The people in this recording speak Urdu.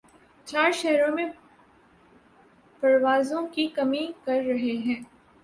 چار شہرو ں میں پروازوں کی کمی کر رہے ہیں